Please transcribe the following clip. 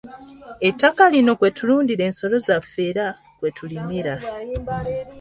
Ettaka lino kwe tulundira ensolo zaffe era kwe tulimira.